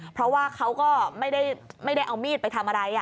เพราะว่าเขาก็ไม่ได้เอามีดไปทำอะไร